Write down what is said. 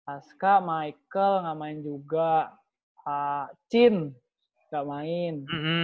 aska michael nggak main juga cin nggak main